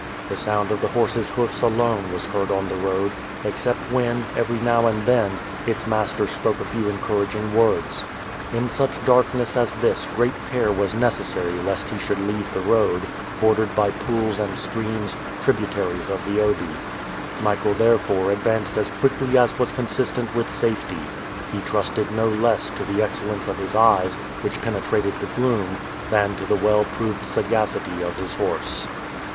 The sound of the horses's hoofs alone was heard on the road, except when, every now and then, its master spoke a few encouraging words. In such darkness as this great care was necessary lest he should leave the road, bordered by pools and streams, tributaries of the Obi. Michael therefore advanced as quickly as was consistent with safety. He trusted no less to the excellence of his eyes, which penetrated the gloom, than to the well proved sagacity of his horse.